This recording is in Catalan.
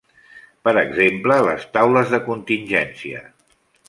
Per exemple, les taules de contingència.